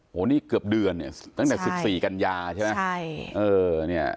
โอ้โหนี่เกือบเดือนเนี่ยตั้งแต่๑๔กันยาใช่ไหมใช่เออเนี่ย